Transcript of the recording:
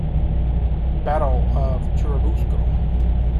Battle of Churubusco.